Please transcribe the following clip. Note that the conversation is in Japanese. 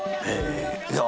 いや。